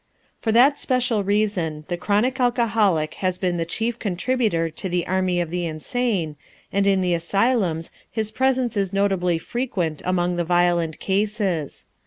For that special reason, the chronic alcoholic has been the chief contributor to the army of the insane, and in the asylums his presence is notably frequent among the violent cases.